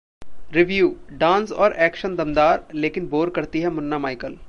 Review: dance और action दमदार, लेकिन बोर करती है मुन्ना माइकल